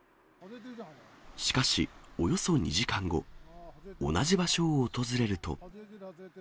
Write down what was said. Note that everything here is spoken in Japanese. しかし、およそ２時間後、同じ場所を訪れると。